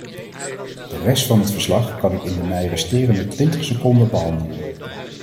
De rest van het verslag kan ik in de mij resterende twintig seconden behandelen.